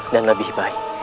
dan lebih baik